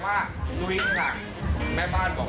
สวัสดีครับคุณผู้ชมครับ